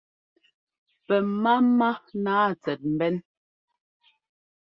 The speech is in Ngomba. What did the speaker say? Pɛ máma nǎa tsɛt mbɛ́n.